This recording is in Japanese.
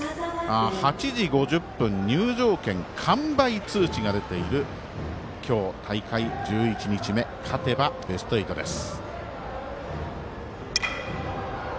８時５０分、入場券完売通知が出ている今日、大会１１日目勝てばベスト８です。